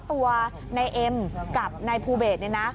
ตัวนายเอ็มกับนายภูเบสเนี่ยนะ